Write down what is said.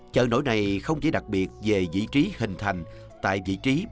chợ nổi này không chỉ đặc biệt về vị trí hình thành tại vị trí bảy ngã rẽ trên cụm kênh